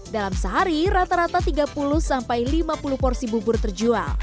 dalam sehari rata rata tiga puluh sampai lima puluh porsi bubur terjual